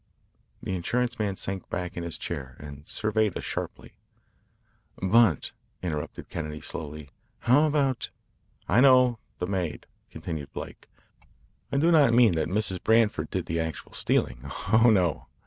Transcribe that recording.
The insurance man sank back in his chair and surveyed us sharply. "But," interrupted Kennedy slowly, "how about " "I know the maid," continued Blake. "I do not mean that Mrs. Branford did the actual stealing. Oh, no.